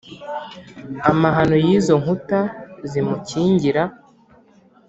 amahano y'izo nkuta zimukingira;